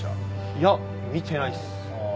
いや見てないです。